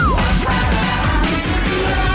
ลุยสักเงียบ